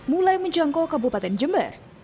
mulai menjangkau kabupaten jember